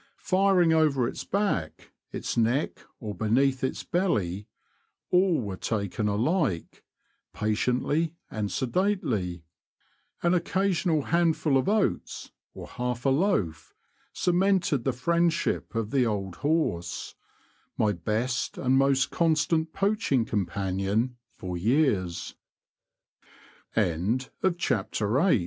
Firing over its back, its neck, or beneath its belly — all were taken alike, patiently and sedately. An occasional handful of oats, or half a loaf, cemented the friendship of the old horse — my best and most constant poach